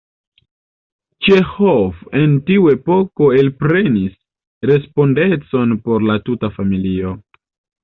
Ĉeĥov en tiu epoko elprenis respondecon por la tuta familio.